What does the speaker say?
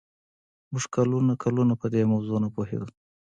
موږ کلونه کلونه په دې موضوع نه پوهېدو